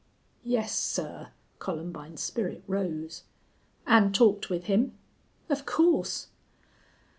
"Yes sir." Columbine's spirit rose. "An' talked with him?" "Of course."